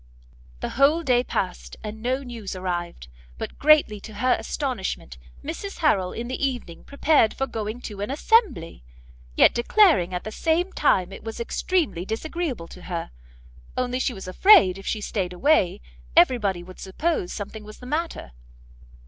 The whole day passed, and no news arrived; but, greatly to her astonishment, Mrs Harrel in the evening prepared for going to an assembly! yet declaring at the same time it was extremely disagreeable to her, only she was afraid, if she stayed away, every body would suppose something was the matter.